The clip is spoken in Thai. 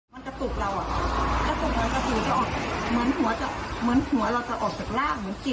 มันอยู่ตรงนี้